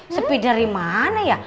sepi dari mana ya